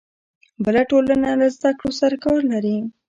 بله ټولنه له زده کړو سره کار لري.